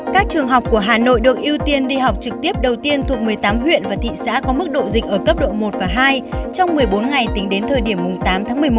các trường học của hà nội được ưu tiên đi học trực tiếp đầu tiên thuộc một mươi tám huyện và thị xã có mức độ dịch ở cấp độ một và hai trong một mươi bốn ngày tính đến thời điểm tám tháng một mươi một